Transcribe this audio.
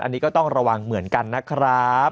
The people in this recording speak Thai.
อันนี้ก็ต้องระวังเหมือนกันนะครับ